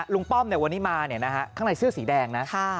ลุงป้อมในวันนี้มาข้างในเสื้อสีแดงนะครับ